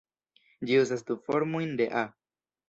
Ĝi uzas du formojn de "a".